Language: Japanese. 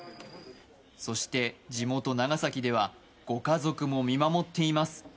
そして地元・長崎ではご家族も見守っています。